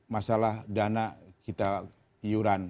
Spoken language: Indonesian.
masalah dana kita iuran